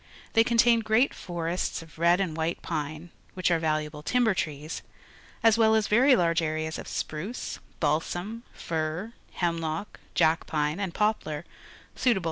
They contain great forests of red and white pine, which are valuable timber trees, as well as very large areas of spruce, balsam, fir, hem lock, jack pine, and poplar, suitable for pulp wood.